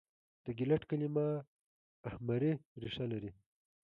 د ګلټ کلیمه اهمري ریښه لري.